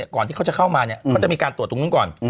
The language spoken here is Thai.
ก่อนที่เขาจะเข้ามาเนี่ยเขาจะมีการตรวจตรงนู้นก่อน